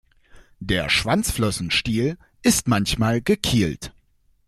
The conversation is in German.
Der Schwanzflossenstiel ist manchmal gekielt.